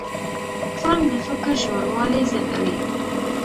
فلم د فکر ژوروالی زیاتوي